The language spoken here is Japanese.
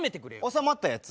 収まったやつ。